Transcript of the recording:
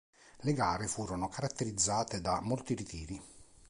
Le gare furono caratterizzate da molti ritiri.